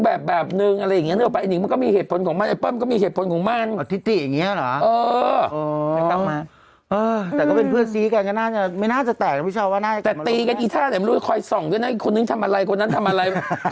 ๓วันเลยสู่ตอนไปคือใส่คุมชุดยิ่งกว่า